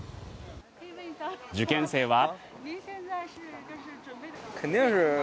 受験生は。